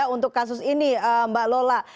untuk kasus ini mbak lola